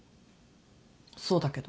そうだけど？